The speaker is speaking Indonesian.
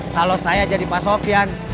kalau saya jadi pak sofian